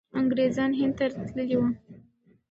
انګریزان هند ته تللي وو.